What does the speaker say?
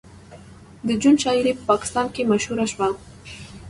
د جون شاعري په پاکستان کې مشهوره شوه